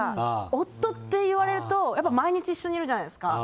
夫って言われると毎日一緒にいるじゃないですか。